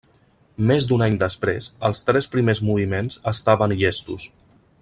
Més d'un any després, els tres primers moviments estaven llestos.